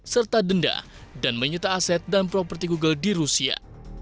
serta denda dan menyita aset dan properti google di rusia